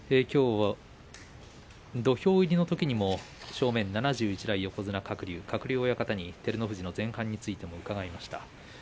きょうは土俵入りのときにも正面７１代横綱鶴竜鶴竜親方に照ノ富士の前半について伺いました。